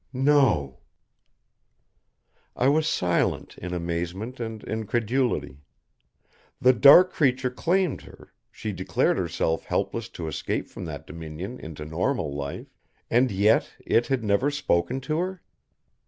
"No." I was silent in amazement and incredulity. The dark creature claimed her, she declared herself helpless to escape from that dominion into normal life, and yet It never had spoken to her?